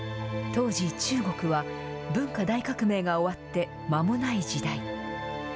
当時、中国は文化大革命が終わって間もない時代。